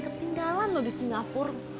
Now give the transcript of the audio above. ketinggalan loh di singapur